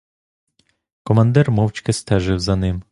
Командир мовчки стежив за ним.